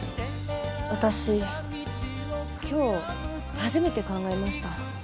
私今日初めて考えました。